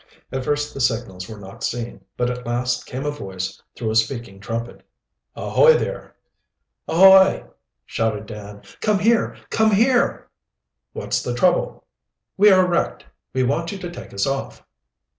At first the signals were not seen, but at last came a voice through a speaking trumpet. "Ahoy, there!" "Ahoy!" shouted Dan. "Come here! Come here!" "What's the trouble?" "We are wrecked. We want you to take us off."